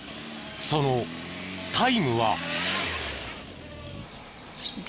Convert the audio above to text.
そのタイムは？